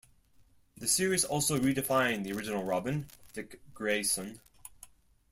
The series also redefined the original Robin, Dick Grayson.